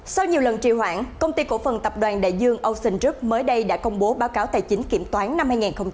sau nhiều lần trì hoãn công ty cổ phần tập đoàn đại dương ocean group mới đây đã công bố báo cáo tài chính kiểm toán năm hai nghìn hai mươi ba